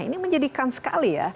ini menjadikan sekali ya